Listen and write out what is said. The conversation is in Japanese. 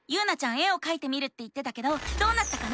絵をかいてみるって言ってたけどどうなったかな？